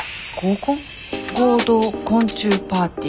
合同昆虫パーティー。